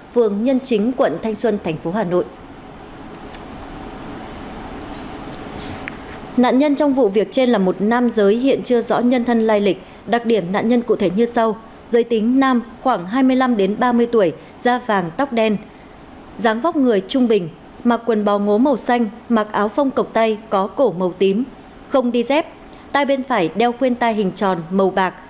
cơ quan cảnh sát điều tra công an quận thanh xuân thành phố hà nội đang tiến hành điều tra